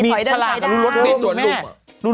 มีภาระมีรถเบนท์สวนลุม